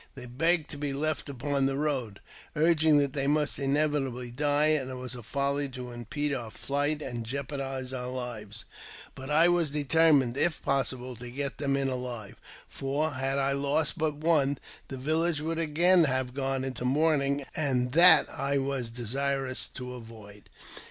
Chey begged to be left upon the road, urging that they must Inevitably die, and it was a folly to impede our flight and eopardize our lives ; but I was determined, if possible, to get hem in alive ; for, had I lost but one, the village w^ould again lave gone into mourning, and that I was desirous to avoid.